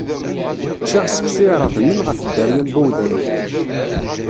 Čččiɣ seksu iṛedmen ɣef dderya n wudayen.